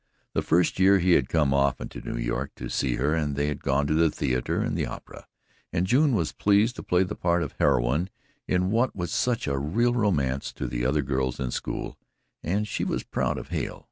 The first year he had come often to New York to see her and they had gone to the theatre and the opera, and June was pleased to play the part of heroine in what was such a real romance to the other girls in school and she was proud of Hale.